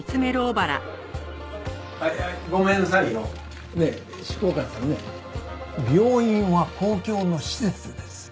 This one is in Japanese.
はいはいごめんなさいよ。ねえ執行官さんね病院は公共の施設です。